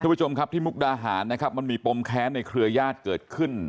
ผู้ชมครับที่มุกดาหารนะครับมันมีปมแค้นในเครือญาติเกิดขึ้น